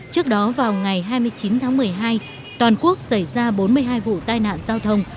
trước đó vào ngày hai mươi chín tháng một mươi hai toàn quốc xảy ra bốn mươi hai vụ tai nạn giao thông